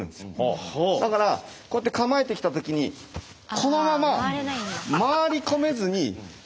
だからこうやって構えてきた時にこのまま分かりやすっ！